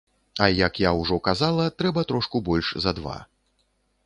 А як я ўжо казала, трэба трошку больш за два.